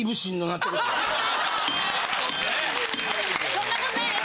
そんな事ないです！